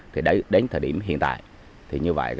thì đến thời điểm hiện tại thì như vậy